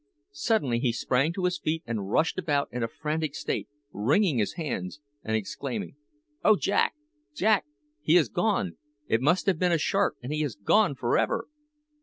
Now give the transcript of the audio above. Suddenly he sprang to his feet and rushed about in a frantic state, wringing his hands, and exclaiming, "Oh Jack! Jack! He is gone! It must have been a shark, and he is gone for ever!"